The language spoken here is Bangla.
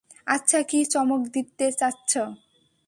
আচ্ছা, কী চমক দিতে যাচ্ছ?